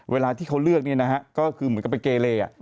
เวลาที่เขาเลือกเนี่ยนะฮะก็คือเหมือนกับไปเกเล